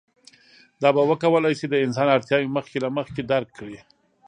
دا به وکولی شي د انسان اړتیاوې مخکې له مخکې درک کړي.